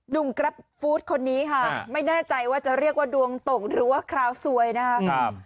กราฟฟู้ดคนนี้ค่ะไม่แน่ใจว่าจะเรียกว่าดวงตกหรือว่าคราวซวยนะครับ